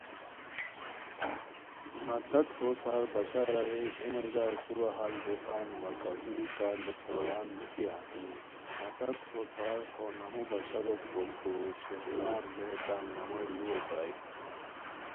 مہ تت ہوسار بشار اریر ایے مہ ژاؤ کورا حال بوسان وا تہ دُوری کا لُوٹھوروان نِکیا؟ مہ تت ہو سار ہو نامو بشارو کوریکو شیر خان رے تان نامو لُوؤ پرائے